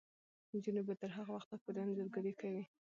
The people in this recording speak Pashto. نجونې به تر هغه وخته پورې انځورګري کوي.